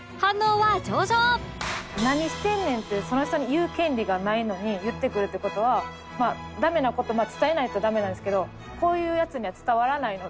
「何してんねん？」ってその人に言う権利がないのに言ってくるって事はダメな事を伝えないとダメなんですけどこういうヤツには伝わらないので。